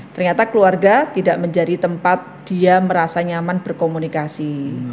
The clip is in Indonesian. ternyata keluarga tidak menjadi tempat dia merasa nyaman berkomunikasi